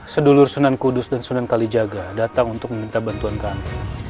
sedulur sunan kudus dan sunan kalijaga datang untuk meminta bantuan kami